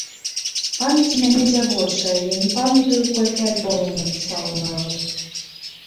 Памяць у мяне дзявочая, я не памятаю, колькі альбомаў напісала, нават.